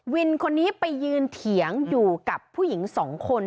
วินคนนี้ไปยืนเถียงอยู่กับผู้หญิงสองคน